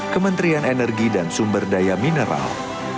kementerian energi dan sumber daya mineral